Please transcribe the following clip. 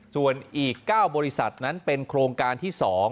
ส่วนอีก๙บริษัทนั้นเป็นโครงการที่๒